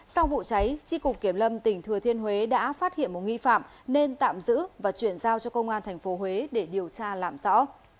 sau vụ cháy tri cục kiểm lâm tỉnh thừa thiên huế đã phát hiện một nghi phạm nên tạm giữ và chuyển giao cho công an tp huế để điều tra làm rõ